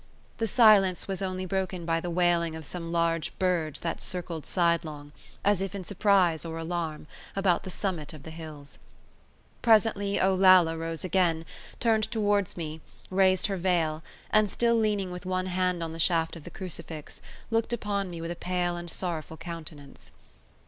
The silence was only broken by the wailing of some large birds that circled sidelong, as if in surprise or alarm, about the summit of the hills. Presently Olalla rose again, turned towards me, raised her veil, and, still leaning with one hand on the shaft of the crucifix, looked upon me with a pale and sorrowful countenance.